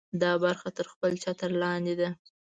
دا برخه تر خپل چتر لاندې ده.